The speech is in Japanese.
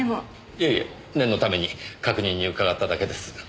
いえいえ念のために確認に伺っただけです。